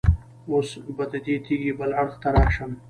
اوس به د دې تیږې بل اړخ ته راشم.